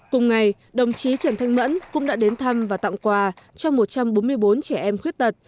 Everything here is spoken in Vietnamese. cùng ngày đồng chí trần thanh mẫn cũng đã đến thăm và tặng quà cho một trăm bốn mươi bốn trẻ em khuyết tật